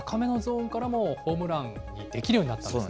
高めのゾーンからもホームラン、できるようになったんですね。